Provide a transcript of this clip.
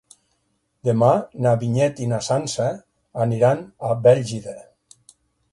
Demà na Vinyet i na Sança aniran a Bèlgida.